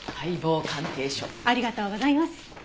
ありがとうございます。